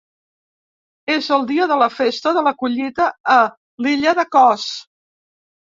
És el dia de la festa de la collita a l'illa de Kos.